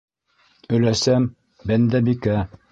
Өләсәм - Бәндәбикә!